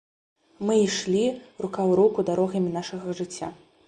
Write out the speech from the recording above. Мы ішлі рука ў руку дарогамі нашага жыцця.